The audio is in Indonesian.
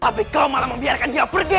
tapi kau malah membiarkan dia pergi